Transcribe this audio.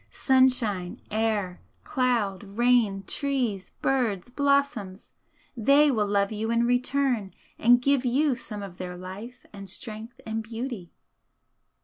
sunshine, air, cloud, rain, trees, birds, blossom, they will love you in return and give you some of their life and strength and beauty."